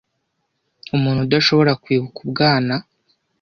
umuntu udashobora kwibuka ubwana